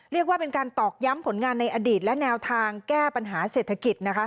เรียกว่าเป็นการตอกย้ำผลงานในอดีตและแนวทางแก้ปัญหาเศรษฐกิจ